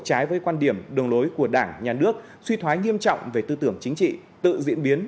trái với quan điểm đường lối của đảng nhà nước suy thoái nghiêm trọng về tư tưởng chính trị tự diễn biến